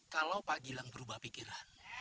kalau pak gilang berubah pikiran